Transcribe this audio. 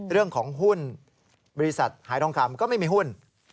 เรื่องของหุ้นบริษัทหายทองคำก็ไม่มีหุ้น